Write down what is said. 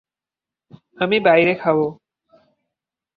আমি বাইরে খাব।